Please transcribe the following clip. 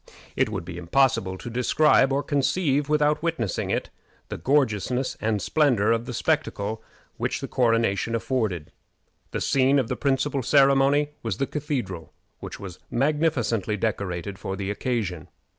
It would be impossible to describe or to conceive, without witnessing it, the gorgeousness and splendor of the spectacle which the coronation afforded. The scene of the principal ceremony was the Cathedral, which was most magnificently decorated for the occasion.